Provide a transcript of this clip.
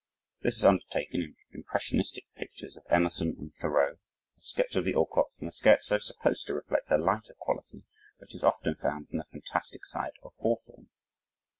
This is undertaken in impressionistic pictures of Emerson and Thoreau, a sketch of the Alcotts, and a Scherzo supposed to reflect a lighter quality which is often found in the fantastic side of Hawthorne.